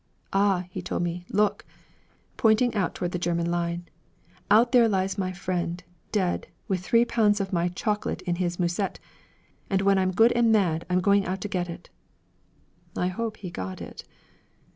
'Ah,' he told me, 'look,' pointing out toward the German line, 'out there lies my friend, dead, with three pounds of my chocolate in his musette, and when I'm good and mad, I'm going out to get it!' I hope he got it!